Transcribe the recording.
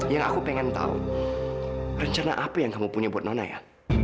yang aku pengen tahu rencana apa yang kamu punya buat nona ya